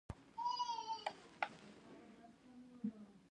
ځینې غیر عضوي سرې په طبیعت کې شتون لري.